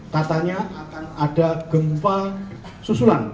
katanya akan ada gempa susulan